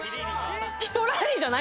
ひとラリーじゃない？